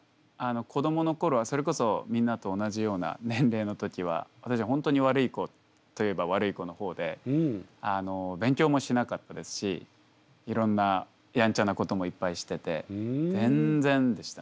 子どものころはそれこそみんなと同じような年齢の時は私は本当に悪い子といえば悪い子の方で勉強もしなかったですしいろんなやんちゃなこともいっぱいしてて全然でしたね。